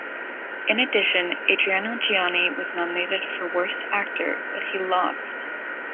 In addition, Adriano Giannini was nominated for “worst actor” but he lost.